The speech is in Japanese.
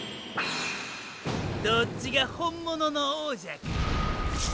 どっちが本物の王者かを！